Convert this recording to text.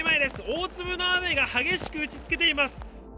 大粒の雨が激しく打ちつけています。